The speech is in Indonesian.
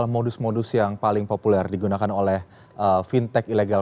modus modus yang paling populer digunakan oleh fintech ilegal